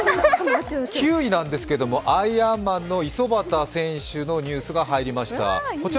９位なんですけど、アイアンマンの五十幡選手のニュースが入りました。